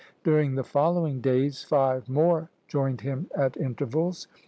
During the following days five more joined him at intervals.